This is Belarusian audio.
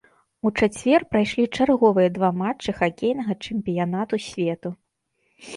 У чацвер прайшлі чарговыя два матчы хакейнага чэмпіянату свету.